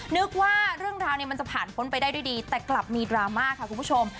นึกว่าเรื่องราวเนี่ยมันจะผ่านพ้นไปได้ด้วยดีแต่กลับมีดราม่าค่ะคุณผู้ชม